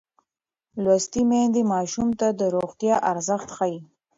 لوستې میندې ماشوم ته د روغتیا ارزښت ښيي.